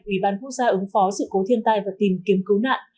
ủy ban quốc gia ứng phó sự cố thiên tai và tìm kiếm cứu nạn